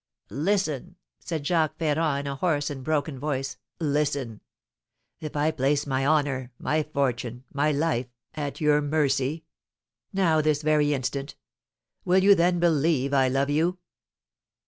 "Listen!" said Jacques Ferrand, in a hoarse and broken voice, "listen! If I place my honour, my fortune, my life, at your mercy, now, this very instant, will you then believe I love you?"